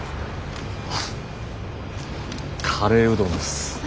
カレーうどんです。